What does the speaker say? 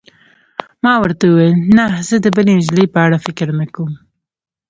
ما ورته وویل: نه، زه د بلې نجلۍ په اړه فکر نه کوم.